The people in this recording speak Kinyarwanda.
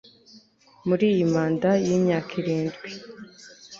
muri iyi manda y'imyaka irindwi